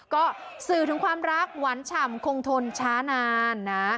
ก็สื่อถึงความรักหวานฉ่ำคงทนช้านานนะ